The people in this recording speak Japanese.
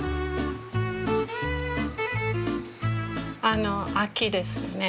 あの秋ですね。